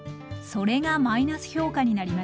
それがマイナス評価になりました。